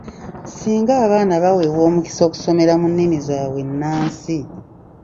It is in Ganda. Singa abaana baweebwa omukisa okusomera mu nnimi zaabwe ennansi.